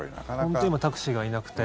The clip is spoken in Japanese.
本当、今タクシーがいなくて。